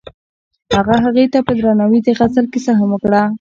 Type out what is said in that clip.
هغه هغې ته په درناوي د غزل کیسه هم وکړه.